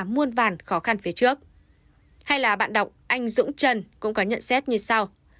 muôn vàn khó khăn phía trước hay là bạn đọc anh dũng trần cũng có nhận xét như sau